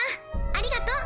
ありがとう。